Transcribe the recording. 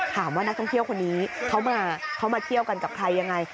ถามว่านักท่องเที่ยวคนนี้เขามาเขามาเที่ยวกันกับใครยังไง